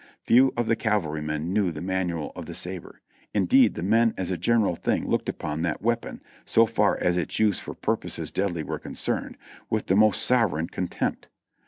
Few of the cavalrymen knew the manual of the sabre, indeed the men as a general thing looked upon that weapon, so far as its use for purposes deadly were concerned, with the most sovereign contempt.